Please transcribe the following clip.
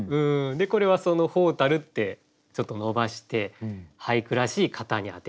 これは「ほうたる」ってちょっと伸ばして俳句らしい型に当てはめて。